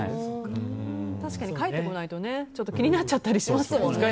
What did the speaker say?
確かに返ってこないと気になっちゃったりしますよね。